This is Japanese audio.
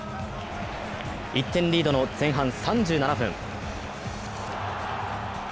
１点リードの前半３７分。